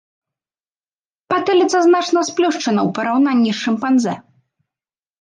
Патыліца значна сплюшчана ў параўнанні з шымпанзэ.